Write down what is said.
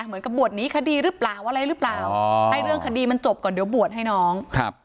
เหมือนกับบวชหนีคดีหรือเปล่าอะไรหรือเปล่าให้เรื่องคดีมันจบก่อนเดี๋ยวบวชให้น้องครับ